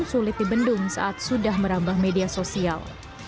sulit dibendung saat sudah merambah media sosial